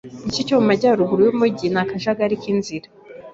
Igice cyo mu majyaruguru yumujyi ni akajagari k'inzira.